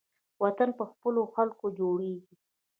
وطن په خپلو خلکو جوړیږي